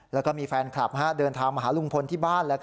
แล้วก็มีแฟนคลับเดินทางมาหาลุงพลที่บ้าน